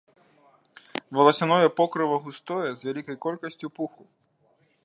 Валасяное покрыва густое, з вялікай колькасцю пуху.